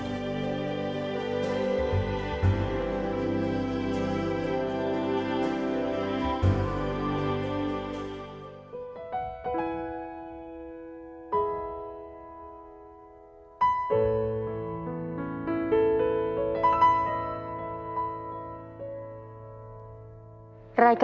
ใช่ค่ะ